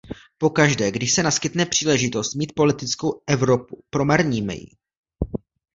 Pokaždé, když se naskytne příležitost mít politickou Evropu, promarníme ji!